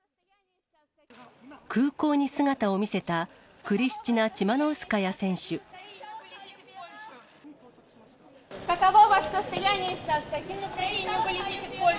空港に姿を見せたクリスチナ・チマノウスカヤ選手。